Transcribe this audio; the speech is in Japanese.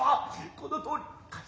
このとおり。